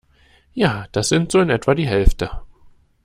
Ja, das sind so in etwa die Hälfte.